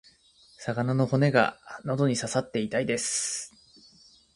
魚の骨が喉に刺さって痛いです。